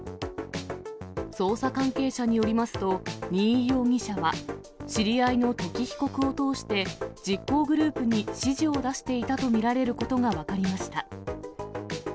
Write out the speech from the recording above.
捜査関係者によりますと、新居容疑者は、知り合いの土岐被告を通して、実行グループに指示を出していたと見られることが分かりました。